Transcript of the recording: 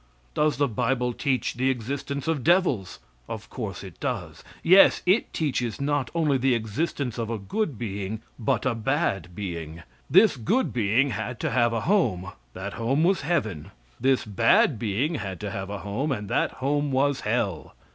Does the bible teach the existence of devils? Of course it does. Yes, it teaches not only the existence of a good being, but a bad being. This good being had to have a home; that home was heaven. This bad being had to have a home; and that home was hell.